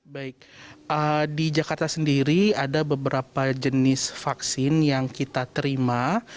baik di jakarta sendiri ada beberapa jenis vaksin yang kita terima